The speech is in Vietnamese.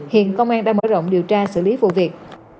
hiện công an đã mở rộng điều tra xử lý vụ việc